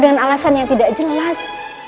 dengan alasan yang tidak jelas